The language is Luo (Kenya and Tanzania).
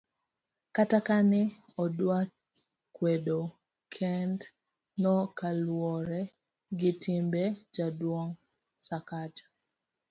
kata kane odwa kwedo kend no kaluwore gi timbe jaduong' Sakaja